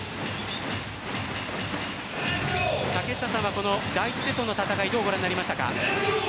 竹下さんは第１セットの戦いどうご覧になりましたか？